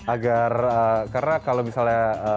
agar karena kalau misalnya